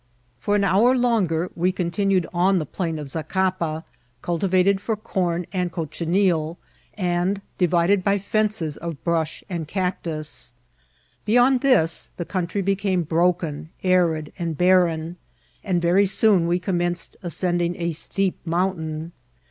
For an hour longer we continued on the plain of Zacapa, eulti* vated for com and cochineal^ and divided b j fences oi brush and cactus. Beyond this the country became broken, arid, and barren, and very so<m we commenced ascending a steep mountain.